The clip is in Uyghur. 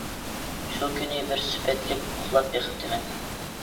شۇ كۈنى بىر سۈپەتلىك ئۇخلاپ بېقىپتىمەن.